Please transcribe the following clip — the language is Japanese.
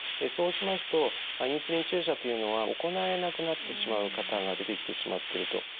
そうしますとインスリン注射というのは行えなくなってしまう方が出てきてしまってると。